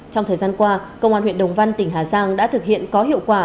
trong thời gian qua công an huyện đồng văn tỉnh hà giang đã thực hiện có hiệu quả